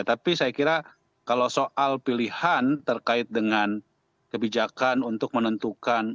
tapi saya kira kalau soal pilihan terkait dengan kebijakan untuk menentukan